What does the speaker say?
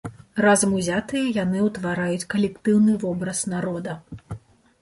Разам узятыя, яны ўтвараюць калектыўны вобраз народа.